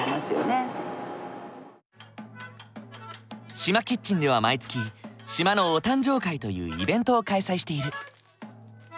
島キッチンでは毎月島のお誕生会というイベントを開催している。